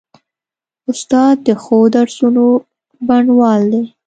استاد د ښو درسونو بڼوال دی.